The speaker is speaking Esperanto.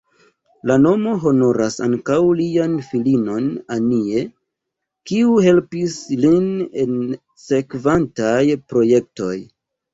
La nomo honoras ankaŭ lian filinon "Annie", kiu helpis lin en sekvantaj projektoj.